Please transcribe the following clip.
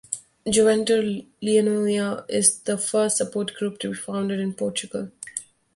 Juventude Leonina is the first support group to be founded in Portugal.